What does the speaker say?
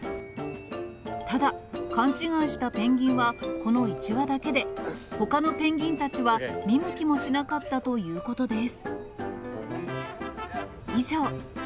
ただ、勘違いしたペンギンはこの１羽だけで、ほかのペンギンたちは見向きもしなかったということです。